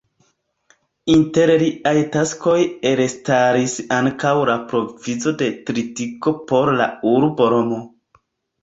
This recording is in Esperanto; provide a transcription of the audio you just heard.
Inter liaj taskoj elstaris ankaŭ la provizo de tritiko por la urbo Romo.